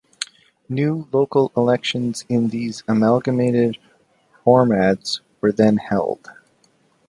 New local elections in these amalgamated hromadas were then held.